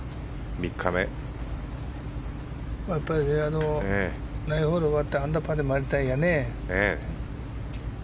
やっぱり９ホール終わってアンダーパーで回りたいよね。